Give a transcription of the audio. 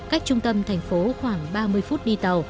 cách trung tâm thành phố khoảng ba mươi km